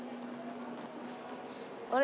あれ？